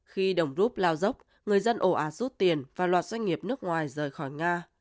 khi đồng rút lao dốc người dân ổ ạ rút tiền và loạt doanh nghiệp nước ngoài rời khỏi nga